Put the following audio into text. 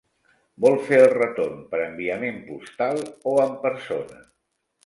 Vol fer el retorn per enviament postal, o en persona?